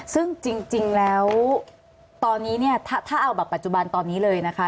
ซึ่งจริงแล้วตอนนี้เนี่ยถ้าเอาแบบปัจจุบันตอนนี้เลยนะคะ